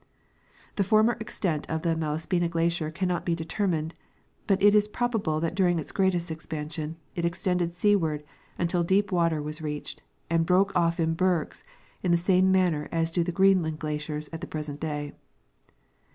The former extent of the Malaspina glacier cannot be deter mined, but it is probable that during its greatest expansion it extended seaward until deep water was reached, and broke ofl" in bergs in the same manner as do the Greenland glaciers at the present day.